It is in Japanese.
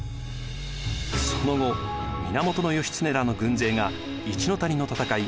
その後源義経らの軍勢が一の谷の戦い